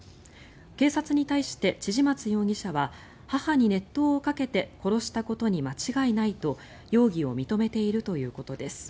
警察に対して千々松容疑者は母に熱湯をかけて殺したことに間違いないと容疑を認めているということです。